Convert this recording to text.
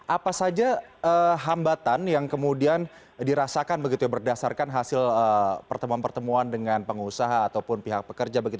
apa saja hambatan yang kemudian dirasakan begitu ya berdasarkan hasil pertemuan pertemuan dengan pengusaha ataupun pihak pekerja begitu